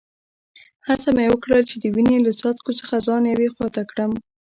هڅه مې وکړل چي د وینې له څاڅکو څخه ځان یوې خوا ته کړم.